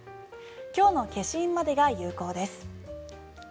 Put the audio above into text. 今日の消印までが有効です。